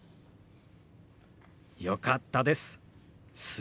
よかったです。